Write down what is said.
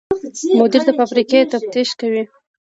مدیر د فابریکې تفتیش کوي.